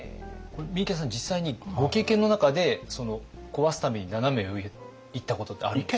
三池さん実際にご経験の中で壊すためにナナメ上いったことってありますか？